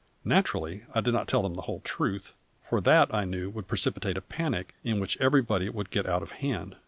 Naturally, I did not tell them the whole truth, for that, I knew, would precipitate a panic in which everybody would get out of hand.